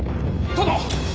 殿！